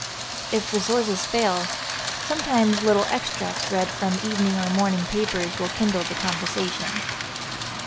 If resources fail sometimes little extracts read from evening or morning papers will kindle the conversation.